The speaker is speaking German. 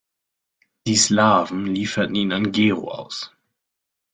Die Slawen lieferten ihn an Gero aus.